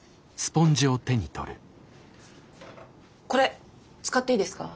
これ使っていいですか？